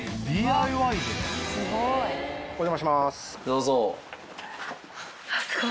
どうぞ。